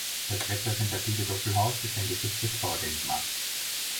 Das repräsentative Doppelhaus ist ein geschütztes Baudenkmal.